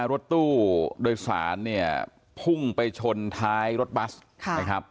รถตู้โดยสารเนี่ยพุ่งไปชนท้ายรถบัสนะครับ